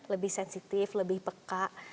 lebih sensitif lebih peka